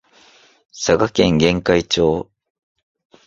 佐賀県玄海町